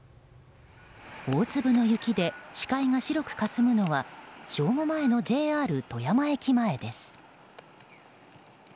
大粒の雪で視界が白くかすむのは正午前のＪＲ富山駅前です。